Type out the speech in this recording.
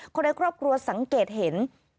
ในครอบครัวสังเกตเห็น